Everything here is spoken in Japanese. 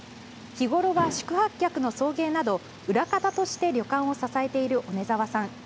日ごろは宿泊客の送迎など裏方として旅館を支えている小根澤さん。